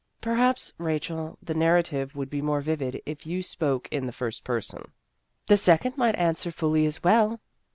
" Perhaps, Rachel, the narrative would be more vivid if you spoke in the first person." " The second might answer fully as well."